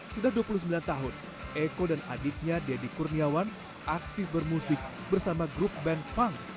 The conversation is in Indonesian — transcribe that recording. sudah dua puluh sembilan tahun eko dan adiknya deddy kurniawan aktif bermusik bersama grup band punk